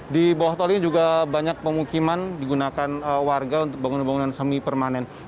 di bawah tol ini juga banyak pemukiman digunakan warga untuk bangun bangunan semi permanen